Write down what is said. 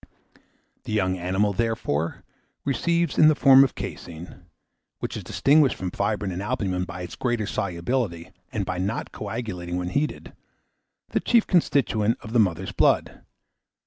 The young animal, therefore, receives in the form of caseine, which is distinguished from fibrine and albumen by its great solubility, and by not coagulating when heated, the chief constituent of the mother's blood.